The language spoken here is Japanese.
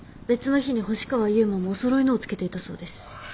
別の日に星川佑馬もお揃いのを着けていたそうです。